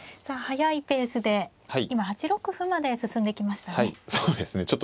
さあ速いペースで今８六歩まで進んできましたね。